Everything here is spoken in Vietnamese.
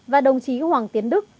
và đồng chí hoàng tiến đức